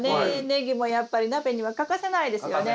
ネギもやっぱり鍋には欠かせないですよね。